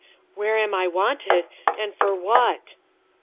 where am I wanted, and for what?'